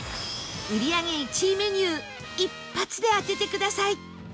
売り上げ１位メニュー一発で当ててください